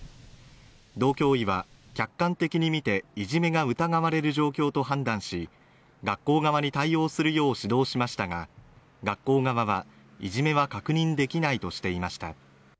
道教委は客観的に見ていじめが疑われる状況と判断し学校側に対応するよう指導しましたが学校側はいじめは確認できないとしていました